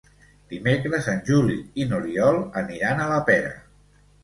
Dimecres en Juli i n'Oriol aniran a la Pera.